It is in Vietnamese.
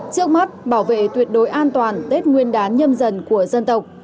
trước mắt bảo vệ tuyệt đối an toàn tết nguyên đán nhâm dần của dân tộc